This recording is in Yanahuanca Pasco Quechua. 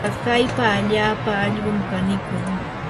tsakaypa allaapa allqum kanikun.